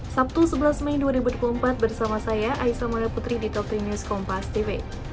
sabtu sebelas mei dua ribu empat belas bersama saya aisa mada putri di top tiga news kompas tv